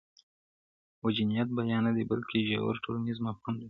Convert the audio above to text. و جنايت بيان نه دی بلکي ژور ټولنيز مفهوم لري,